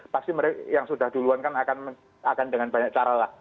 pasti yang sudah duluan akan dengan banyak cara